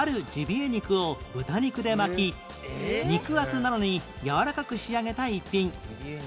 肉を豚肉で巻き肉厚なのにやわらかく仕上げた逸品